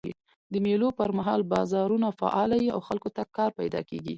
د مېلو پر مهال بازارونه فعاله يي او خلکو ته کار پیدا کېږي.